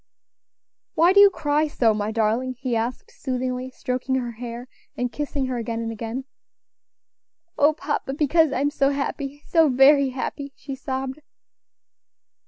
"Why do you cry so, my darling?" he asked, soothingly, stroking her hair, and kissing her again and again. "O papa! because I am so happy, so very happy," she sobbed.